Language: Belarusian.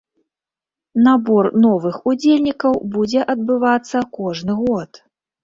Набор новых удзельнікаў будзе адбывацца кожны год.